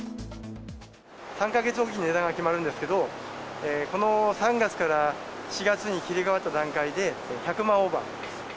３か月置きに値段が決まるんですけど、この３月から４月に切り替わった段階で、１００万オーバー。